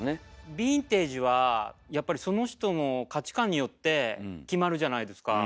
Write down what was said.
ヴィンテージはやっぱりその人の価値観によって決まるじゃないですか。